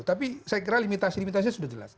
tapi saya kira limitasi limitasi sudah jelas